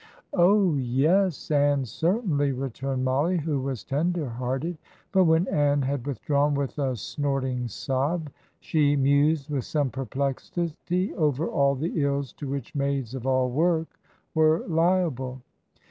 "Oh yes, Ann, certainly," returned Mollie, who was tender hearted. But when Ann had withdrawn with a snorting sob, she mused with some perplexity over all the ills to which maids of all work were liable.